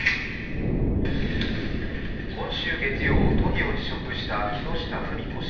今週月曜、都議を辞職した木下富美子氏。